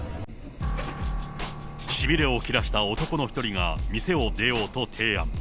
しびれを切らした男の１人が、店を出ようと提案。